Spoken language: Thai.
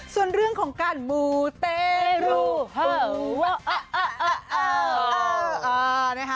ส่วนเรื่องของการหมาเตะรัง